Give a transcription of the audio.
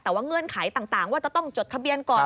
แต่ว่าเงื่อนไขต่างว่าจะต้องจดทะเบียนก่อน